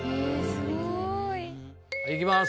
すごい。いきます。